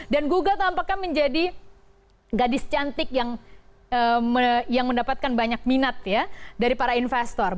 dan google tampaknya menjadi gadis cantik yang mendapatkan banyak minat ya dari para investor